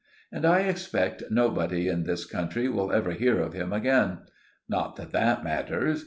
And I expect nobody in this country will ever hear of him again. Not that that matters.